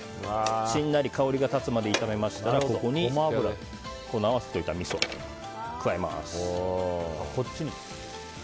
しんなり香りが立つまで炒めたら合わせておいたみそを加えます。